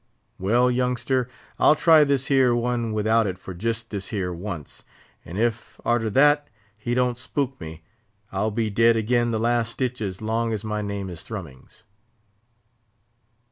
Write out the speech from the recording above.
"Well, youngster, I'll try this here one without it for jist this here once; and if, arter that, he don't spook me, I'll be dead agin the last stitch as long as my name is Thrummings."